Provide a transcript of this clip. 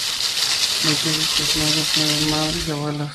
Muchos de sus personajes erna madres y abuelas.